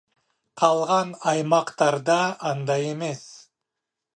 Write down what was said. Калган аймактарда андай эмес.